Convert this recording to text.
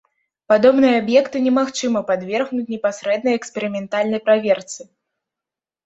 Падобныя аб'екты немагчыма падвергнуць непасрэднай эксперыментальнай праверцы.